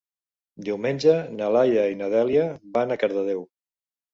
Diumenge na Laia i na Dèlia van a Cardedeu.